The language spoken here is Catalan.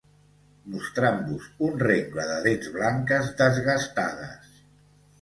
mostrant-vos un rengle de dents blanques desgastades